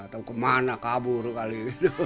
atau kemana kabur kali